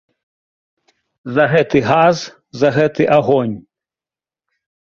За гэты газ, за гэты агонь.